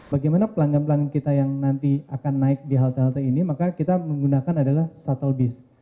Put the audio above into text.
bagaimana pelanggan pelanggan kita yang nanti akan naik di halte halte ini maka kita menggunakan adalah shuttle bus